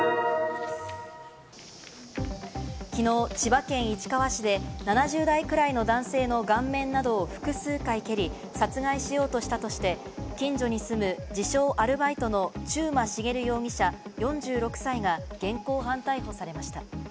きのう千葉県市川市で、７０代くらいの男性の顔面などを複数回蹴り、殺害しようとしたとして、近所に住む自称アルバイトの中馬茂容疑者、４６歳が現行犯逮捕されました。